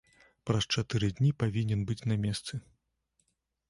Праз чатыры дні павінен быць на месцы.